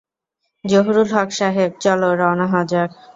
জহুরুল হক সাহেব, চল রওনা হওয়া যাক।